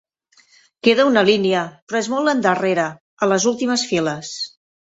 Queda una línia, però és molt endarrere, a les últimes files.